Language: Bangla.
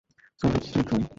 Solid state drive.